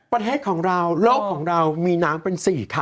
ประเทศของเราโลกของเรามีน้ำเป็น๔ค่ะ